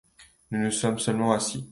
Nous nous sommes seulement assis.